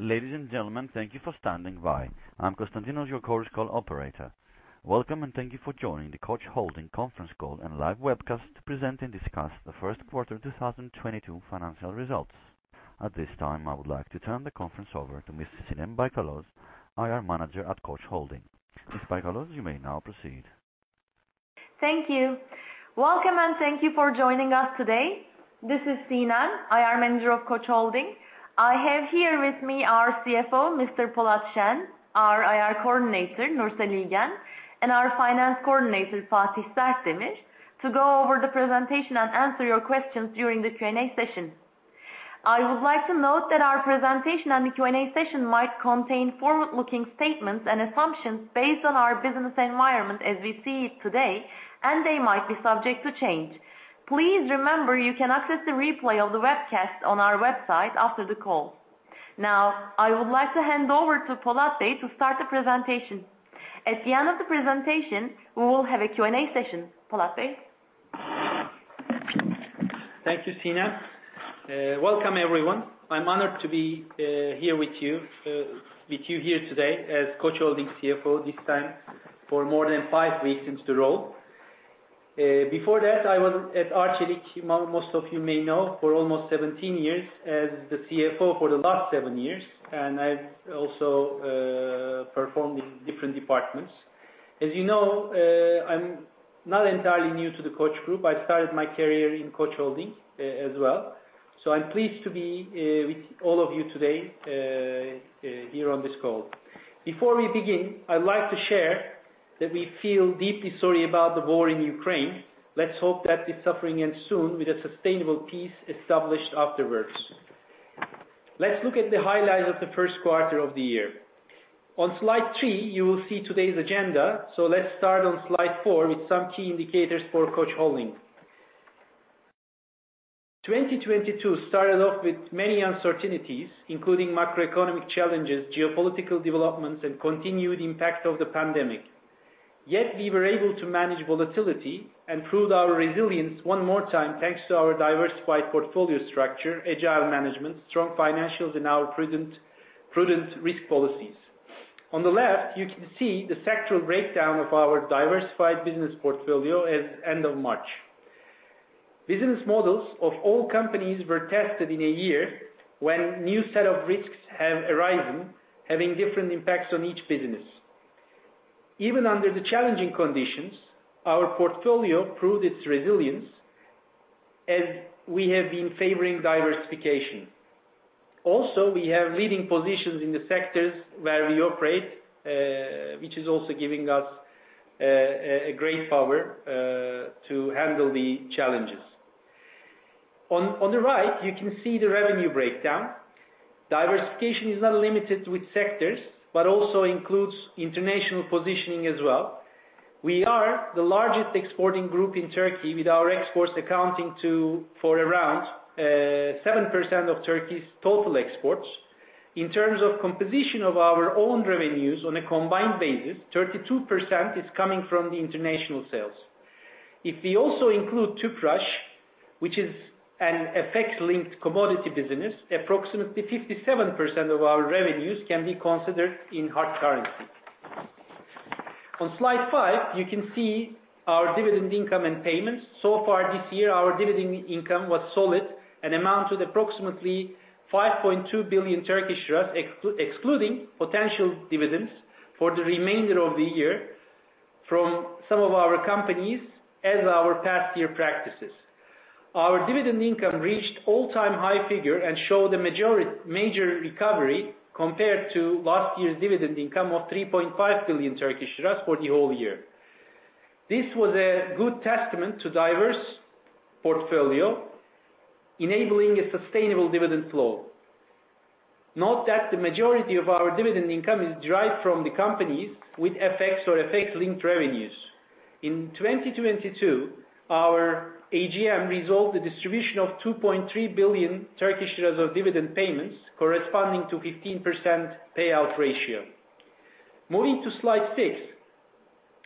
Ladies and gentlemen, thank you for standing by. I'm Konstantinos, your Koç Holding call operator. Welcome, and thank you for joining the Koç Holding conference call and live webcast to present and discuss the first quarter 2022 financial results. At this time, I would like to turn the conference over to Ms. Sinem Baykalöz, IR Manager at Koç Holding. Ms. Baykalöz, you may now proceed. Thank you. Welcome, and thank you for joining us today. This is Sinem, IR Manager of Koç Holding. I have here with me our CFO, Mr. Polat Şen, our IR Coordinator, Nursel İlgen, and our Finance Coordinator, Fatih Sertdemir, to go over the presentation and answer your questions during the Q&A session. I would like to note that our presentation and the Q&A session might contain forward-looking statements and assumptions based on our business environment as we see it today, and they might be subject to change. Please remember you can access the replay of the webcast on our website after the call. Now, I would like to hand over to Polat Şen to start the presentation. At the end of the presentation, we will have a Q&A session. Polat Şen? Thank you, Sinem. Welcome, everyone. I'm honored to be here with you here today as Koç Holding CFO this time for more than five weeks into the role. Before that, I was at Arçelik, most of you may know, for almost 17 years as the CFO for the last seven years, and I also performed in different departments. As you know, I'm not entirely new to the Koç Group. I started my career in Koç Holding as well. So I'm pleased to be with all of you today here on this call. Before we begin, I'd like to share that we feel deeply sorry about the war in Ukraine. Let's hope that this suffering ends soon with a sustainable peace established afterwards. Let's look at the highlights of the first quarter of the year. On slide three, you will see today's agenda. So let's start on slide four with some key indicators for Koç Holding. 2022 started off with many uncertainties, including macroeconomic challenges, geopolitical developments, and the continued impact of the pandemic. Yet, we were able to manage volatility and proved our resilience one more time thanks to our diversified portfolio structure, agile management, strong financials, and our prudent risk policies. On the left, you can see the sectoral breakdown of our diversified business portfolio at the end of March. Business models of all companies were tested in a year when a new set of risks have arisen, having different impacts on each business. Even under the challenging conditions, our portfolio proved its resilience as we have been favoring diversification. Also, we have leading positions in the sectors where we operate, which is also giving us a great power to handle the challenges. On the right, you can see the revenue breakdown. Diversification is not limited with sectors but also includes international positioning as well. We are the largest exporting group in Turkey, with our exports accounting for around seven% of Turkey's total exports. In terms of composition of our own revenues on a combined basis, 32% is coming from the international sales. If we also include Tüpraş, which is an FX-linked commodity business, approximately 57% of our revenues can be considered in hard currency. On slide five, you can see our dividend income and payments. So far this year, our dividend income was solid and amounted to approximately TRY 5.2 billion, excluding potential dividends for the remainder of the year from some of our companies as our past year practices. Our dividend income reached an all-time high figure and showed a major recovery compared to last year's dividend income of 3.5 billion for the whole year. This was a good testament to a diverse portfolio, enabling a sustainable dividend flow. Note that the majority of our dividend income is derived from the companies with FX effects or FX-linked revenues. In 2022, our AGM resolved the distribution of 2.3 billion of dividend payments, corresponding to a 15% payout ratio. Moving to slide six,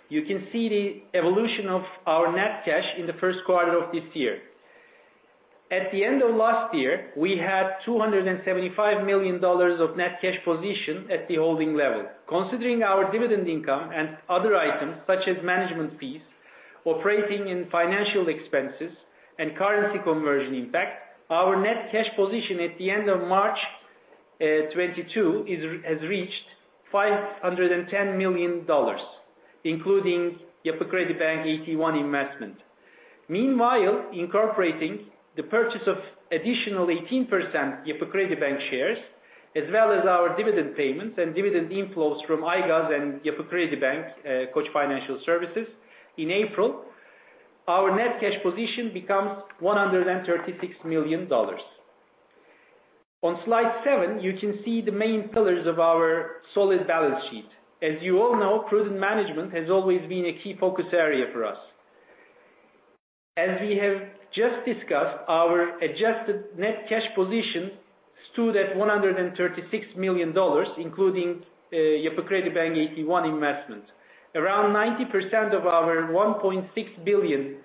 you can see the evolution of our net cash in the first quarter of this year. At the end of last year, we had $275 million of net cash position at the holding level. Considering our dividend income and other items such as management fees, operating and financial expenses, and currency conversion impact, our net cash position at the end of March 2022 has reached $510 million, including Yapı Kredi 81 investment. Meanwhile, incorporating the purchase of additional 18% Yapı Kredi shares, as well as our dividend payments and dividend inflows from Aygaz and Yapı Kredi Koç Financial Services in April, our net cash position becomes $136 million. On slide seven, you can see the main pillars of our solid balance sheet. As you all know, prudent management has always been a key focus area for us. As we have just discussed, our adjusted net cash position stood at $136 million, including Yapı Kredi 81 investment, around 90% of our $1.6 billion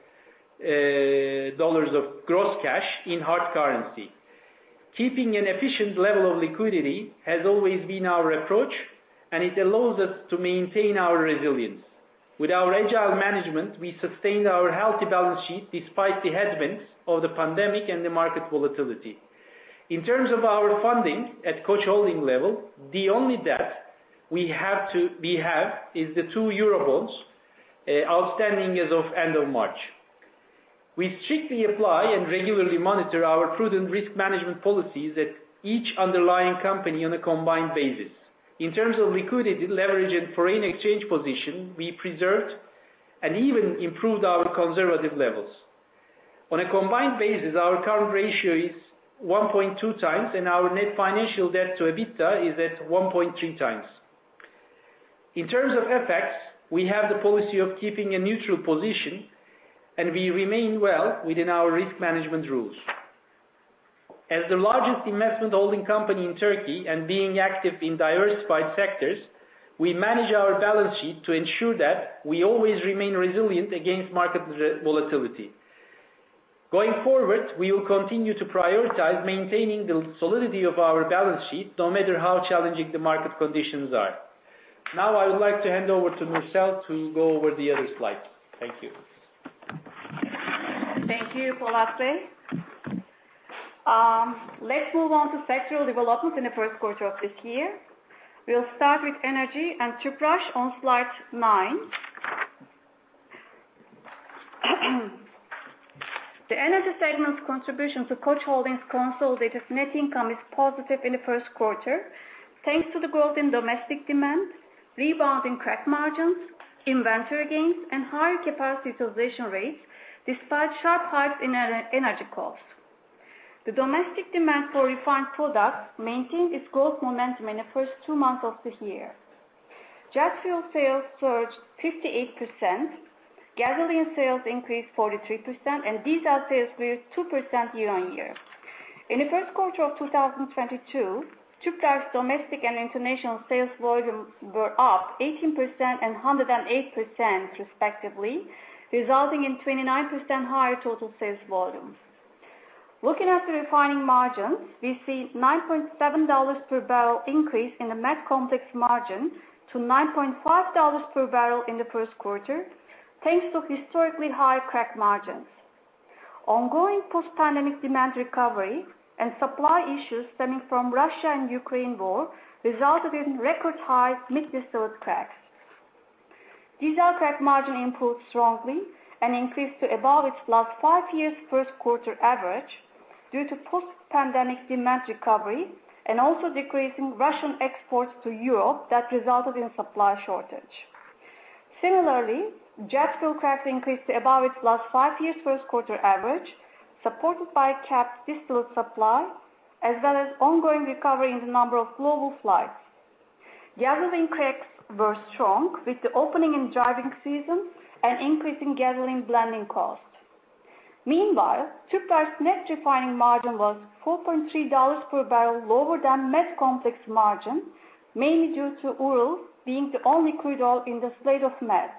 of gross cash in hard currency. Keeping an efficient level of liquidity has always been our approach, and it allows us to maintain our resilience. With our agile management, we sustained our healthy balance sheet despite the headwinds of the pandemic and the market volatility. In terms of our funding at Koç Holding level, the only debt we have is the two Eurobonds outstanding as of the end of March. We strictly apply and regularly monitor our prudent risk management policies at each underlying company on a combined basis. In terms of liquidity, leverage, and foreign exchange position, we preserved and even improved our conservative levels. On a combined basis, our current ratio is 1.2x, and our net financial debt to EBITDA is at 1.3x. In terms of FX, we have the policy of keeping a neutral position, and we remain well within our risk management rules. As the largest investment holding company in Turkey and being active in diversified sectors, we manage our balance sheet to ensure that we always remain resilient against market volatility. Going forward, we will continue to prioritize maintaining the solidity of our balance sheet no matter how challenging the market conditions are. Now, I would like to hand over to Nursel to go over the other slides. Thank you. Thank you, Polat Şen. Let's move on to sectoral developments in the first quarter of this year. We'll start with energy and Tüpraş on slide nine. The energy segment's contribution to Koç Holding's consolidated net income is positive in the first quarter thanks to the growth in domestic demand, rebound in credit margins, inventory gains, and higher capacity utilization rates despite sharp hikes in energy costs. The domestic demand for refined products maintained its growth momentum in the first two months of the year. Jet fuel sales surged 58%, gasoline sales increased 43%, and diesel sales grew 2% year-on-year. In the first quarter of 2022, Tüpraş's domestic and international sales volume were up 18% and 108%, respectively, resulting in 29% higher total sales volume. Looking at the refining margins, we see a $9.7 per barrel increase in the Med complex margin to $9.5 per barrel in the first quarter thanks to historically high crack margins. Ongoing post-pandemic demand recovery and supply issues stemming from the Russia and Ukraine war resulted in record-high mixed distillate cracks. Diesel crack margin improved strongly and increased to above its last five years' first quarter average due to post-pandemic demand recovery and also decreasing Russian exports to Europe that resulted in supply shortage. Similarly, jet fuel cracks increased to above its last five years' first quarter average, supported by capped distillate supply as well as ongoing recovery in the number of global flights. Gasoline cracks were strong with the opening and driving season and increasing gasoline blending costs. Meanwhile, Tüpraş's net refining margin was $4.3 per barrel lower than Med Complex Margin, mainly due to Urals being the only crude oil in the slate of Med.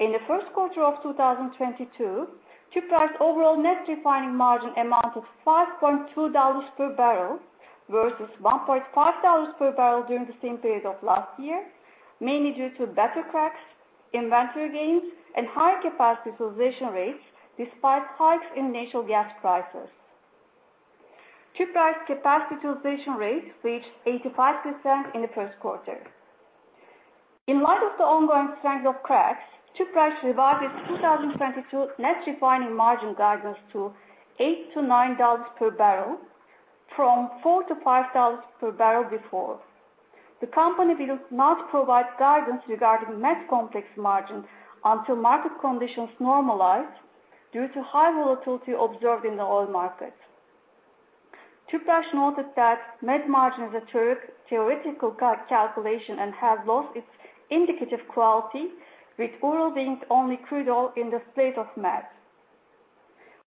In the first quarter of 2022, Tüpraş's overall net refining margin amounted to $5.2 per barrel versus $1.5 per barrel during the same period of last year, mainly due to better cracks, inventory gains, and higher capacity utilization rates despite hikes in natural gas prices. Tüpraş's capacity utilization rate reached 85% in the first quarter. In light of the ongoing strength of cracks, Tüpraş revised its 2022 net refining margin guidance to $8-$9 per barrel from $4-$5 per barrel before. The company will not provide guidance regarding Med Complex Margin until market conditions normalize due to high volatility observed in the oil market. Tüpraş noted that Med margin is a theoretical calculation and has lost its indicative quality, with Urals being the only crude oil in the slate of Med.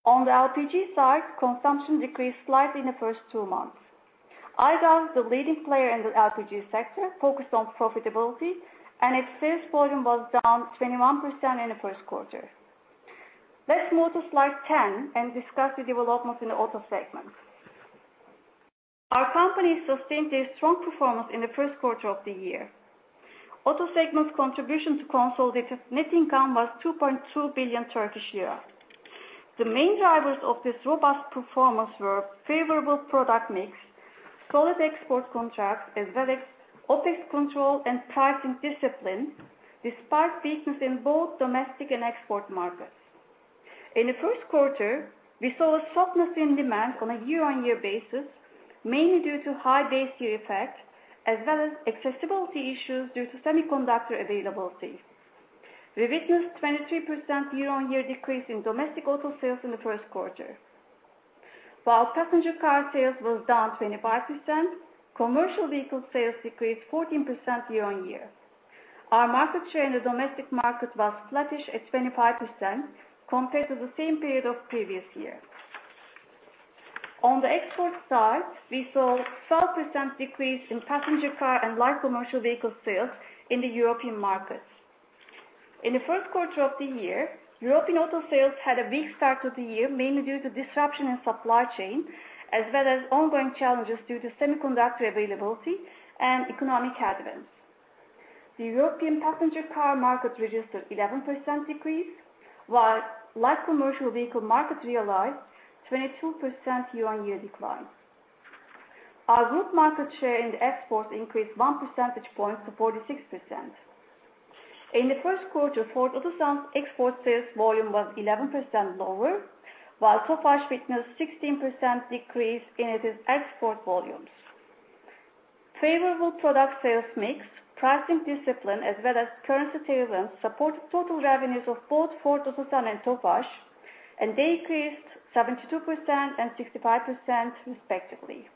On the LPG side, consumption decreased slightly in the first two months. Aygaz, the leading player in the LPG sector, focused on profitability, and its sales volume was down 21% in the first quarter. Let's move to slide 10 and discuss the developments in the auto segment. Our company sustained a strong performance in the first quarter of the year. Auto segment's contribution to consolidated net income was 2.2 billion Turkish lira. The main drivers of this robust performance were favorable product mix, solid export contracts, as well as OpEx control and pricing discipline despite weakness in both domestic and export markets. In the first quarter, we saw a softness in demand on a year-on-year basis, mainly due to high base year effect as well as accessibility issues due to semiconductor availability. We witnessed a 23% year-on-year decrease in domestic auto sales in the first quarter. While passenger car sales were down 25%, commercial vehicle sales decreased 14% year-on-year. Our market share in the domestic market was flattish at 25% compared to the same period of the previous year. On the export side, we saw a 12% decrease in passenger car and light commercial vehicle sales in the European markets. In the first quarter of the year, European auto sales had a weak start to the year, mainly due to disruption in supply chain as well as ongoing challenges due to semiconductor availability and economic headwinds. The European passenger car market registered an 11% decrease, while the light commercial vehicle market realized a 22% year-on-year decline. Our group market share in exports increased 1 percentage point to 46%. In the first quarter, Ford Otosan's export sales volume was 11% lower, while Tofaş witnessed a 16% decrease in its export volumes. Favorable product sales mix, pricing discipline, as well as currency turbulence supported total revenues of both Ford Otosan and Tofaş, and they increased 72% and 65%, respectively.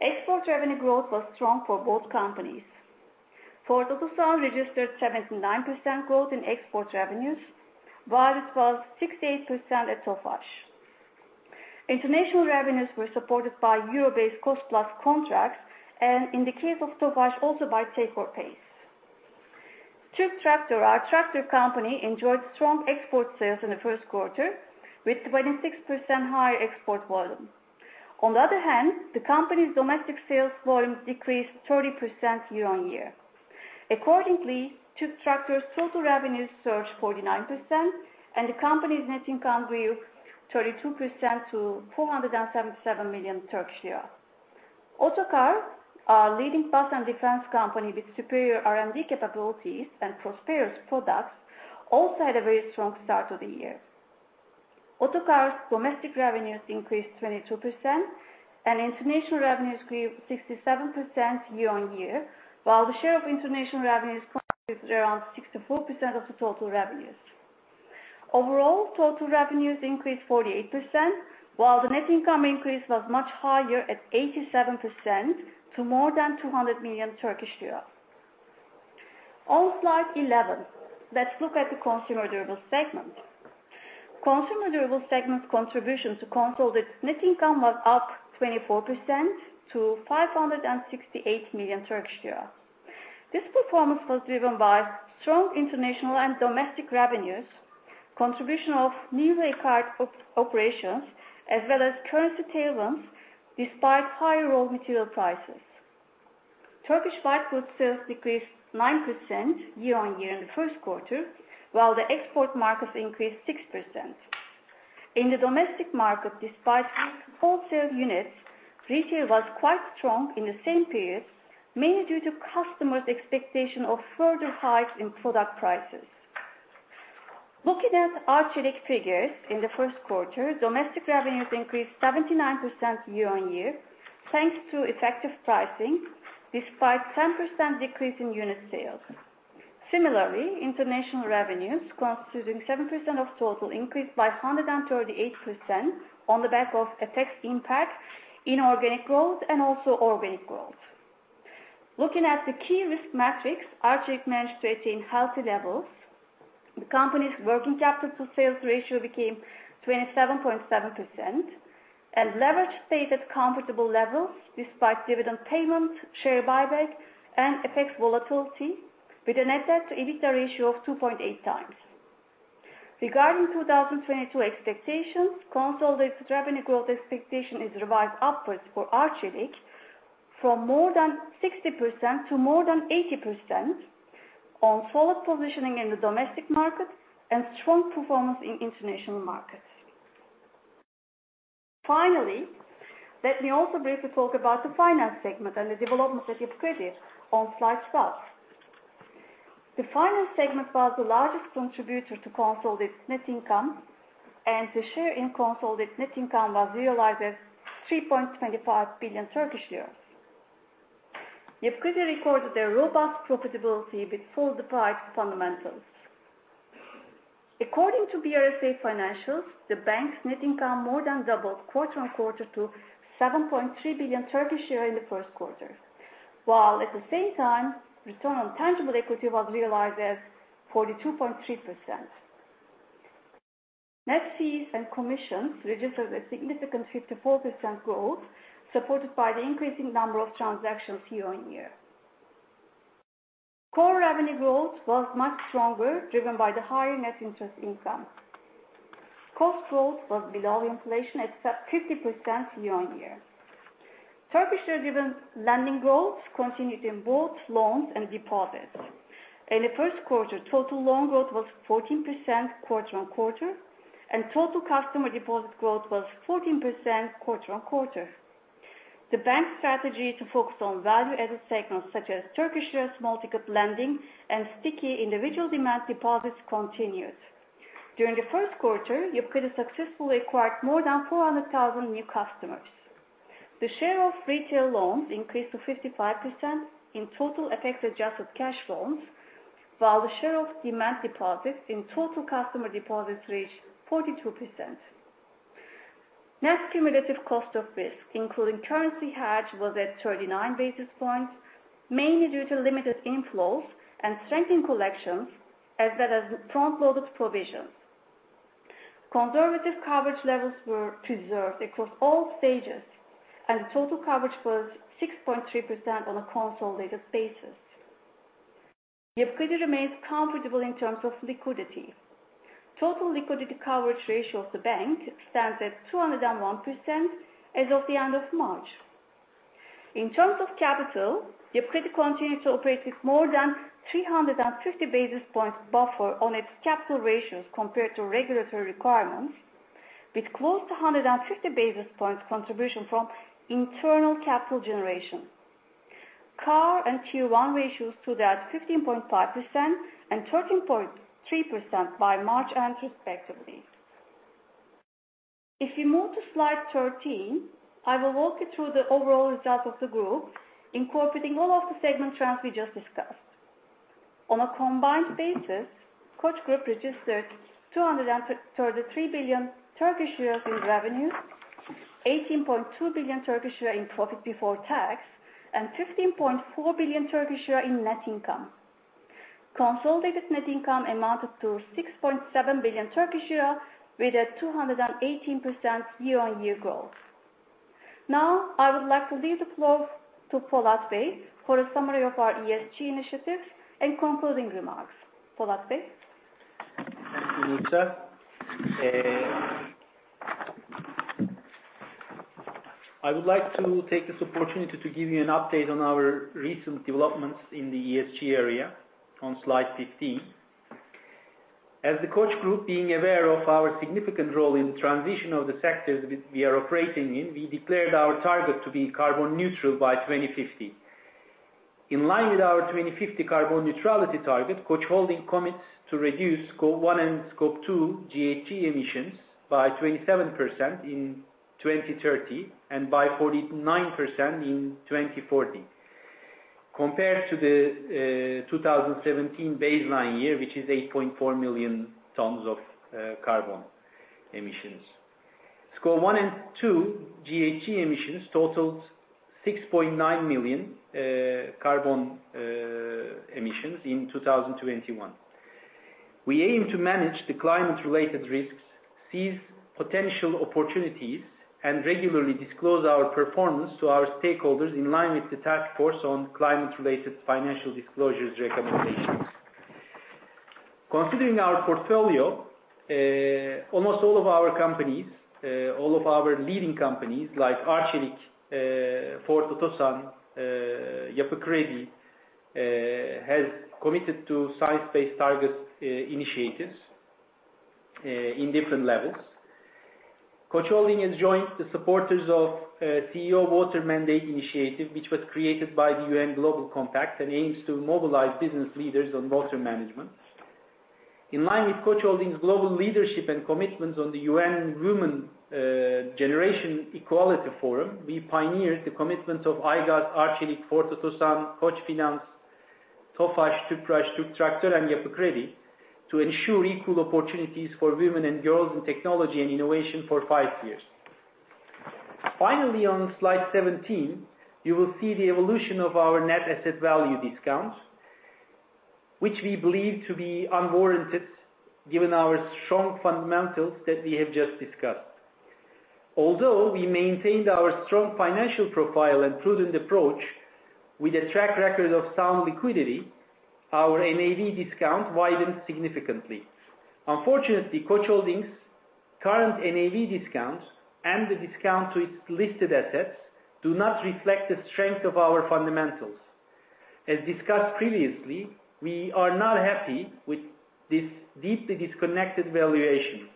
Export revenue growth was strong for both companies. Ford Otosan registered 79% growth in export revenues, while it was 68% at Tofaş. International revenues were supported by Euro-based cost-plus contracts and, in the case of Tofaş, also by take-or-pay. TürkTraktör, our tractor company, enjoyed strong export sales in the first quarter with 26% higher export volume. On the other hand, the company's domestic sales volume decreased 30% year-on-year. Accordingly, TürkTraktör's total revenues surged 49%, and the company's net income grew 32% to 477 million Turkish lira. Otokar, our leading bus and defense company with superior R&D capabilities and prosperous products, also had a very strong start to the year. Otokar's domestic revenues increased 22%, and international revenues grew 67% year-on-year, while the share of international revenues contributed around 64% of the total revenues. Overall, total revenues increased 48%, while the net income increase was much higher at 87% to more than 200 million Turkish lira. On slide 11, let's look at the consumer durables segment. Consumer durables segment contribution to consolidated net income was up 24% to 568 million Turkish lira. This performance was driven by strong international and domestic revenues, contribution of newly acquired operations, as well as currency turbulence despite high raw material prices. Turkish white goods sales decreased 9% year-on-year in the first quarter, while the export sales increased 6%. In the domestic market, despite wholesale units, retail was quite strong in the same period, mainly due to customers' expectation of further hikes in product prices. Looking at our consolidated figures in the first quarter, domestic revenues increased 79% year-on-year thanks to effective pricing despite a 10% decrease in unit sales. Similarly, international revenues constituting 7% of total increased by 138% on the back of FX impact and organic growth. Looking at the key risk metrics, our debt managed to attain healthy levels. The company's working capital sales ratio became 27.7%, and leverage stayed at comfortable levels despite dividend payment, share buyback, and FX volatility, with a net debt/EBITDA ratio of 2.8 times. Regarding 2022 expectations, consolidated revenue growth expectation is revised upwards for Arçelik from more than 60% to more than 80% on solid positioning in the domestic market and strong performance in international markets. Finally, let me also briefly talk about the finance segment and the developments at Yapı Kredi on slide 12. The finance segment was the largest contributor to consolidated net income, and the share in consolidated net income was realized at 3.25 billion Turkish lira. Yapı Kredi recorded a robust profitability with fully deployed fundamentals. According to BRSA Financials, the bank's net income more than doubled quarter-on-quarter to 7.3 billion in the first quarter, while at the same time, return on tangible equity was realized at 42.3%. Net fees and commissions registered a significant 54% growth, supported by the increasing number of transactions year-on-year. Core revenue growth was much stronger, driven by the higher net interest income. Cost growth was below inflation at 50% year-on-year. Turkish lending growth continued in both loans and deposits. In the first quarter, total loan growth was 14% quarter-on-quarter, and total customer deposit growth was 14% quarter-on-quarter. The bank's strategy to focus on value-added segments such as Turkish lira small ticket lending and sticky individual demand deposits continued. During the first quarter, Yapı Kredi successfully acquired more than 400,000 new customers. The share of retail loans increased to 55% in total effects adjusted cash loans, while the share of demand deposits in total customer deposits reached 42%. Net cumulative cost of risk, including currency hedge, was at 39 basis points, mainly due to limited inflows and strengthened collections as well as front-loaded provisions. Conservative coverage levels were preserved across all stages, and the total coverage was 6.3% on a consolidated basis. Yapı Kredi remains comfortable in terms of liquidity. Total liquidity coverage ratio of the bank stands at 201% as of the end of March. In terms of capital, Yapı Kredi continues to operate with more than 350 basis points buffer on its capital ratios compared to regulatory requirements, with close to 150 basis points contribution from internal capital generation. CAR and Tier 1 ratios stood at 15.5% and 13.3% by March end, respectively. If we move to slide 13, I will walk you through the overall result of the group, incorporating all of the segment trends we just discussed. On a combined basis, Koç Group registered TRY 233 billion in revenue, TRY 18.2 billion in profit before tax, and TRY 15.4 billion in net income. Consolidated net income amounted to TRY 6.7 billion, with a 218% year-on-year growth. Now, I would like to leave the floor to Polat Şen for a summary of our ESG Initiatives and concluding remarks. Polat Şen? Thank you, Nursel. I would like to take this opportunity to give you an update on our recent developments in the ESG area on slide 15. As the Koç Group, being aware of our significant role in the transition of the sectors we are operating in, we declared our target to be carbon neutral by 2050. In line with our 2050 carbon neutrality target, Koç Holding commits to reduce Scope 1 and Scope 2 GHG emissions by 27% in 2030 and by 49% in 2040, compared to the 2017 baseline year, which is 8.4 million tons of carbon emissions. Scope 1 and Scope 2 GHG emissions totaled 6.9 million carbon emissions in 2021. We aim to manage the climate-related risks, seize potential opportunities, and regularly disclose our performance to our stakeholders in line with the Task Force on Climate-related Financial Disclosures recommendations. Considering our portfolio, almost all of our companies, all of our leading companies like Arçelik, Ford Otosan, Yapı Kredi have committed to Science Based Targets initiative in different levels. Koç Holding has joined the supporters of CEO Water Mandate initiative, which was created by the UN Global Compact and aims to mobilize business leaders on water management. In line with Koç Holding's global leadership and commitments on the UN Women Generation Equality Forum, we pioneered the commitments of Aygaz, Arçelik, Ford Otosan, Koçfinans, Tofaş, Tüpraş, TürkTraktör, and Yapı Kredi to ensure equal opportunities for women and girls in technology and innovation for five years. Finally, on slide 17, you will see the evolution of our net asset value discounts, which we believe to be unwarranted given our strong fundamentals that we have just discussed. Although we maintained our strong financial profile and prudent approach with a track record of sound liquidity, our NAV discount widens significantly. Unfortunately, Koç Holding's current NAV discount and the discount to its listed assets do not reflect the strength of our fundamentals. As discussed previously, we are not happy with this deeply disconnected valuation.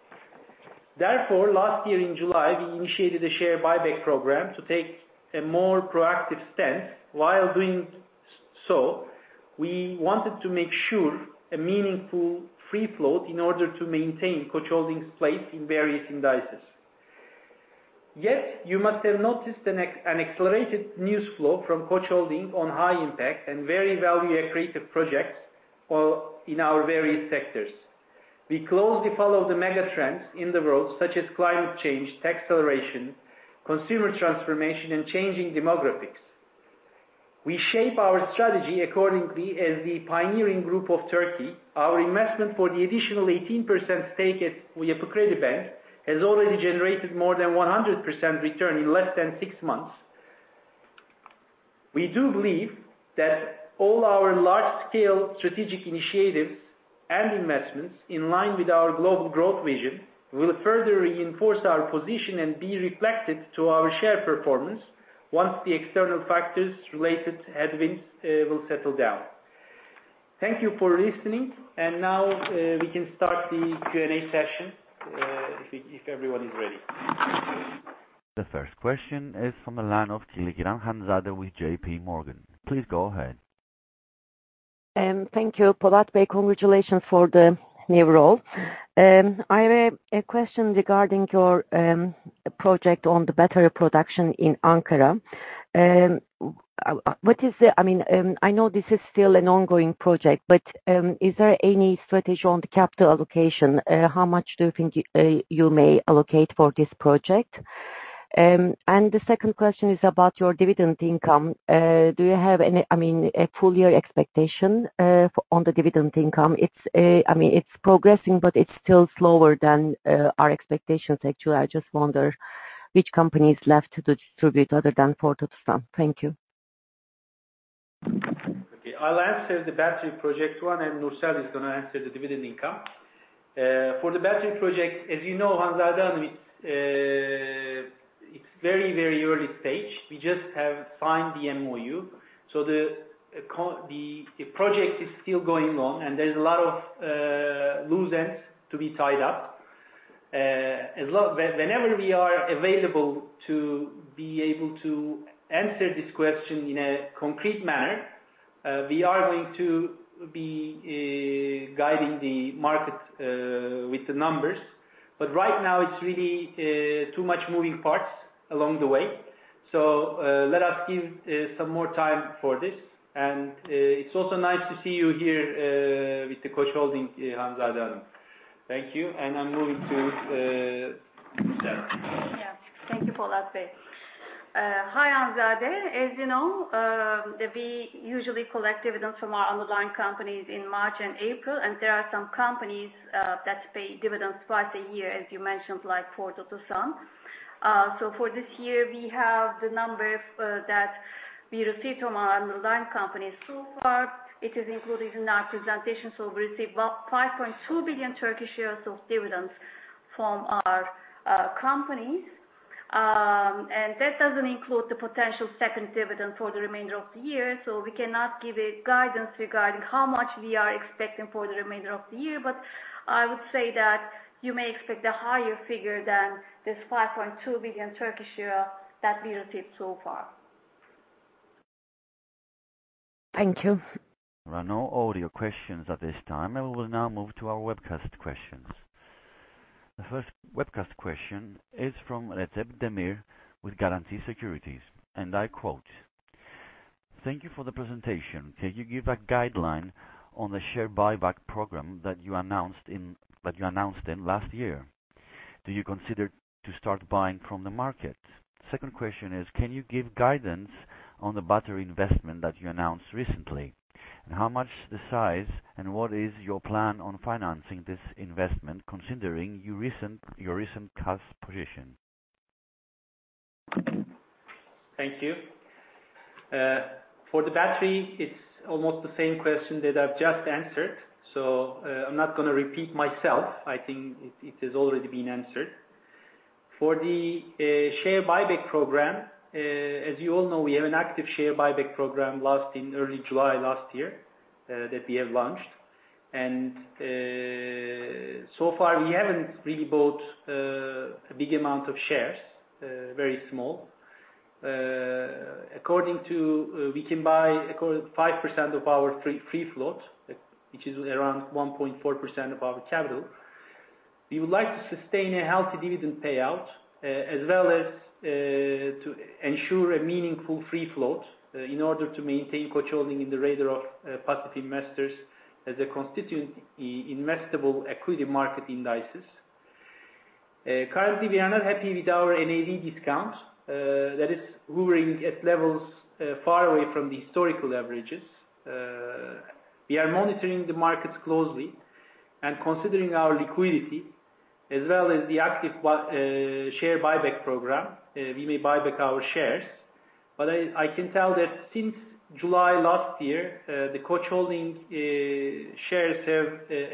Therefore, last year in July, we initiated a share buyback program to take a more proactive stance. While doing so, we wanted to make sure a meaningful free float in order to maintain Koç Holding's place in various indices. Yet, you must have noticed an accelerated news flow from Koç Holding on high impact and very value-accretive projects in our various sectors. We closely follow the megatrends in the world, such as climate change, tax acceleration, consumer transformation, and changing demographics. We shape our strategy accordingly as the pioneering group of Turkey. Our investment for the additional 18% stake at Yapı Kredi Bank has already generated more than 100% return in less than six months. We do believe that all our large-scale strategic initiatives and investments, in line with our global growth vision, will further reinforce our position and be reflected to our share performance once the external factors related headwinds will settle down. Thank you for listening, and now we can start the Q&A session if everyone is ready. The first question is from the line of Kılıçkıran, Hanzade with JPMorgan. Please go ahead. Thank you, Polat Şen. Congratulations for the new role. I have a question regarding your project on the battery production in Ankara. What is the, I mean, I know this is still an ongoing project, but is there any strategy on the capital allocation? How much do you think you may allocate for this project? And the second question is about your dividend income. Do you have any, I mean, a full year expectation on the dividend income? I mean, it's progressing, but it's still slower than our expectations, actually. I just wonder which company is left to distribute other than Ford Otosan. Thank you. Okay. I'll answer the battery project one, and Nursel is going to answer the dividend income. For the battery project, as you know, Hanzade, it's very, very early stage. We just have signed the MOU, so the project is still going on, and there's a lot of loose ends to be tied up. Whenever we are available to be able to answer this question in a concrete manner, we are going to be guiding the market with the numbers. But right now, it's really too much moving parts along the way, so let us give some more time for this. It's also nice to see you here with the Koç Holding, Hanzade. Thank you, and I'm moving to Nursel. Yeah. Thank you, Polat Şen. Hi, Hanzade. As you know, we usually collect dividends from our underlying companies in March and April, and there are some companies that pay dividends twice a year, as you mentioned, like Ford Otosan. So for this year, we have the number that we received from our underlying companies. So far, it is included in our presentation, so we received about 5.2 billion of dividends from our companies. And that doesn't include the potential second dividend for the remainder of the year, so we cannot give guidance regarding how much we are expecting for the remainder of the year. But I would say that you may expect a higher figure than this TRY 5.2 billion that we received so far. Thank you. There are no audio questions at this time. We will now move to our webcast questions. The first webcast question is from Recep DEMİR with Garanti Securities, and I quote, "Thank you for the presentation. Can you give a guideline on the share buyback program that you announced in last year? Do you consider to start buying from the market?" The second question is, "Can you give guidance on the battery investment that you announced recently? How much the size, and what is your plan on financing this investment considering your recent cost position?" Thank you. For the battery, it's almost the same question that I've just answered, so I'm not going to repeat myself. I think it has already been answered. For the share buyback program, as you all know, we have an active share buyback program last in early July last year that we have launched. And so far, we haven't really bought a big amount of shares, very small. According to, we can buy 5% of our free float, which is around 1.4% of our capital. We would like to sustain a healthy dividend payout as well as to ensure a meaningful free float in order to maintain Koç Holding in the radar of passive investors as a constituent in investable equity market indices. Currently, we are not happy with our NAV discount. That is hovering at levels far away from the historical averages. We are monitoring the markets closely and considering our liquidity as well as the active share buyback program. We may buy back our shares, but I can tell that since July last year, the Koç Holding shares have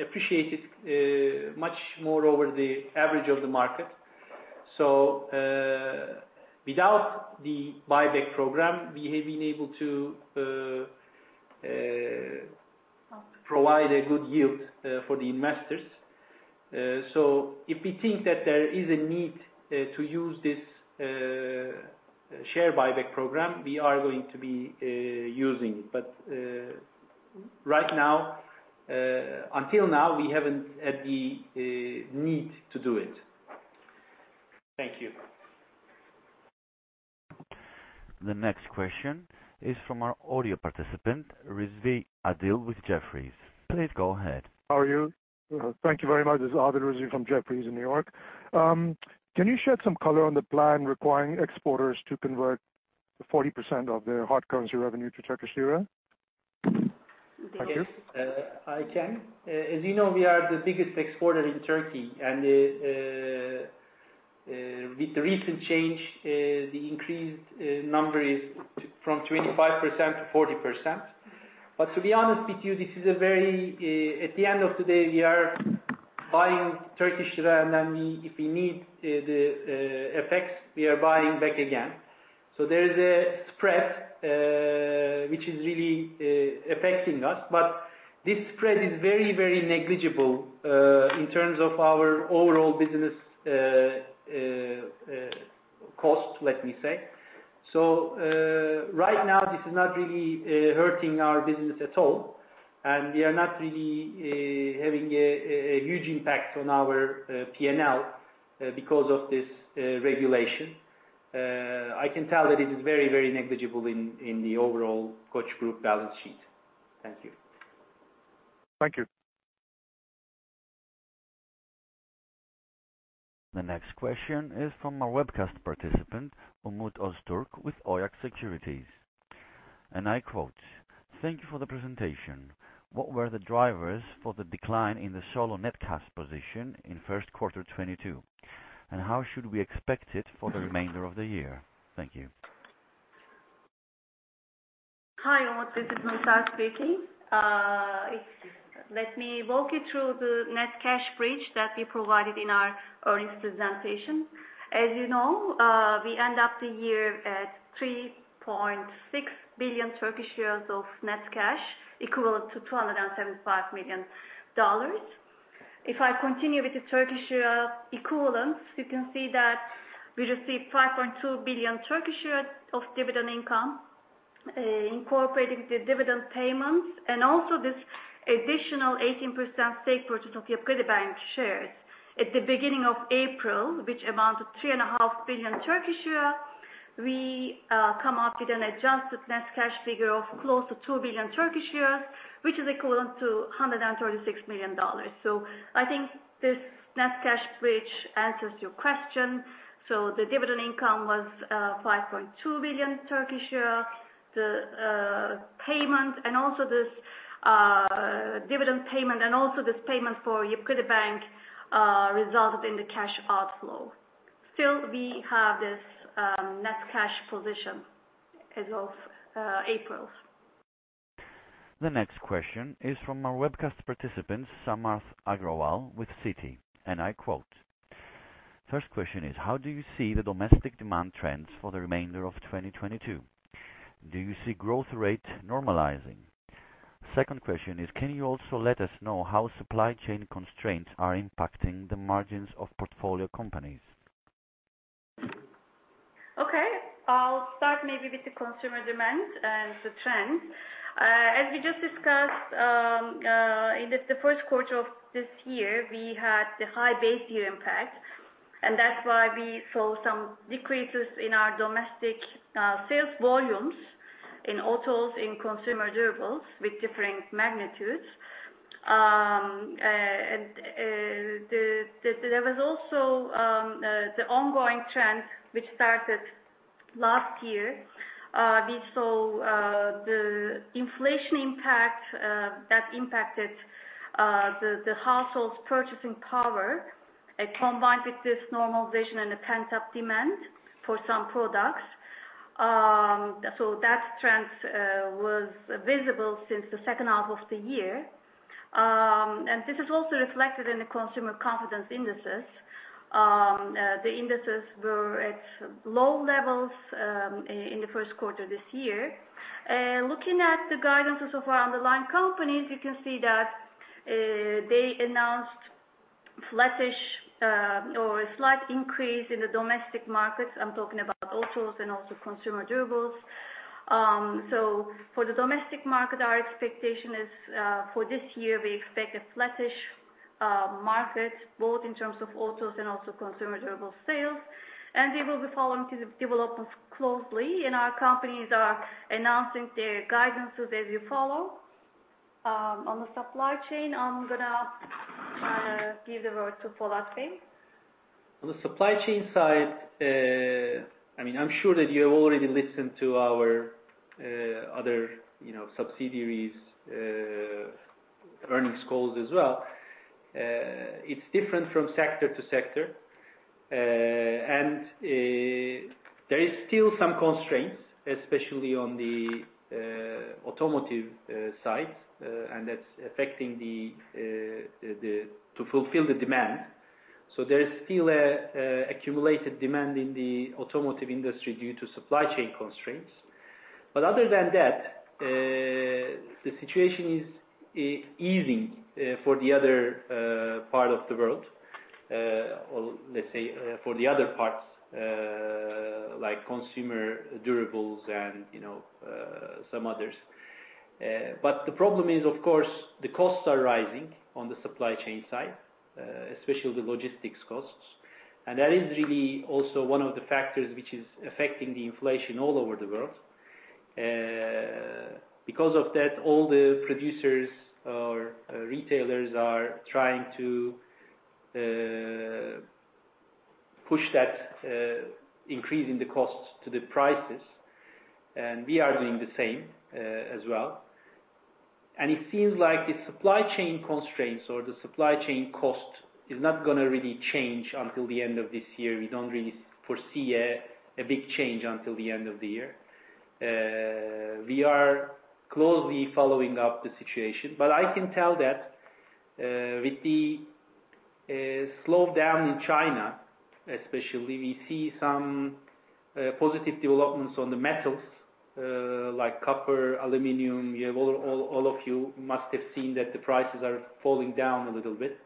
appreciated much more over the average of the market. So without the buyback program, we have been able to provide a good yield for the investors. So if we think that there is a need to use this share buyback program, we are going to be using it. But right now, until now, we haven't had the need to do it. Thank you. The next question is from our audio participant, Adil Rizvi with Jefferies. Please go ahead. How are you? Thank you very much. This is Adil Rizvi from Jefferies in New York. Can you shed some color on the plan requiring exporters to convert 40% of their hard currency revenue to Turkish lira? Thank you. I can. As you know, we are the biggest exporter in Turkey, and with the recent change, the increased number is from 25%-40%. But to be honest with you, this is very, at the end of the day, we are buying Turkish lira, and then if we need the FX, we are buying back again. So there is a spread which is really affecting us, but this spread is very, very negligible in terms of our overall business cost, let me say. So right now, this is not really hurting our business at all, and we are not really having a huge impact on our P&L because of this regulation. I can tell that it is very, very negligible in the overall Koç Group balance sheet. Thank you. Thank you. The next question is from our webcast participant, Umut Öztürk with OYAK Securities. And I quote, "Thank you for the presentation. What were the drivers for the decline in the solo net cash position in first quarter 2022, and how should we expect it for the remainder of the year?" Thank you. Hi, Umut, this is Nursel speaking. Let me walk you through the net cash bridge that we provided in our earnings presentation. As you know, we end up the year at 3.6 billion of net cash equivalent to $275 million. If I continue with the Turkish lira equivalents, you can see that we received 5.2 billion of dividend income incorporating the dividend payments and also this additional 18% stake purchase of Yapı Kredi Bank shares. At the beginning of April, which amounted to TRY 3.5 billion, we come up with an adjusted net cash figure of close to TRY 2 billion, which is equivalent to $136 million, so I think this net cash bridge answers your question. The dividend income was 5.2 billion. The dividend payment and the payment for Yapı Kredi Bank resulted in the cash outflow. Still, we have this net cash position as of April. The next question is from our webcast participant, Samarth Agarwal with Citi. And I quote, "First question is, how do you see the domestic demand trends for the remainder of 2022? Do you see growth rate normalizing? Second question is, can you also let us know how supply chain constraints are impacting the margins of portfolio companies?" Okay. I'll start maybe with the consumer demand and the trends. As we just discussed, in the first quarter of this year, we had the high base year impact, and that's why we saw some decreases in our domestic sales volumes in autos, in consumer durables with different magnitudes. And there was also the ongoing trend which started last year. We saw the inflation impact that impacted the household's purchasing power combined with this normalization and the pent-up demand for some products. So that trend was visible since the second half of the year. And this is also reflected in the consumer confidence indices. The indices were at low levels in the first quarter this year. Looking at the guidance of our underlying companies, you can see that they announced flattish or a slight increase in the domestic markets. I'm talking about autos and also consumer durables. So for the domestic market, our expectation is for this year, we expect a flattish market both in terms of autos and also consumer durable sales. And we will be following developments closely, and our companies are announcing their guidances as you follow. On the supply chain, I'm going to give the word to Polat Şen. On the supply chain side, I mean, I'm sure that you have already listened to our other subsidiaries' earnings calls as well. It's different from sector to sector, and there is still some constraints, especially on the automotive side, and that's affecting to fulfill the demand. So there is still accumulated demand in the automotive industry due to supply chain constraints. But other than that, the situation is easing for the other part of the world, or let's say for the other parts like consumer durables and some others. But the problem is, of course, the costs are rising on the supply chain side, especially the logistics costs. And that is really also one of the factors which is affecting the inflation all over the world. Because of that, all the producers or retailers are trying to push that increase in the cost to the prices, and we are doing the same as well. And it seems like the supply chain constraints or the supply chain cost is not going to really change until the end of this year. We don't really foresee a big change until the end of the year. We are closely following up the situation, but I can tell that with the slowdown in China, especially, we see some positive developments on the metals like copper, aluminum. All of you must have seen that the prices are falling down a little bit.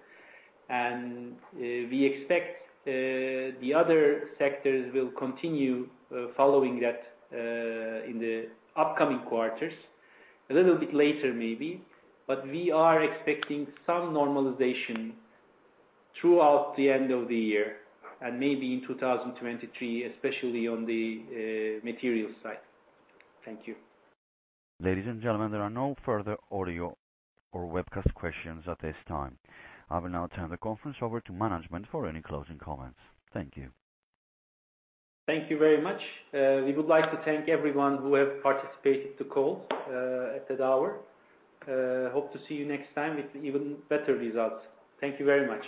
We expect the other sectors will continue following that in the upcoming quarters, a little bit later maybe, but we are expecting some normalization throughout the end of the year and maybe in 2023, especially on the materials side. Thank you. Ladies and gentlemen, there are no further audio or webcast questions at this time. I will now turn the conference over to management for any closing comments. Thank you. Thank you very much. We would like to thank everyone who has participated in the call at that hour. Hope to see you next time with even better results. Thank you very much.